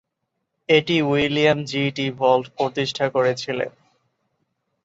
এটি William G T' Volt প্রতিষ্ঠা করেছিলেন।